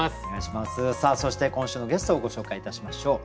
そして今週のゲストをご紹介いたしましょう。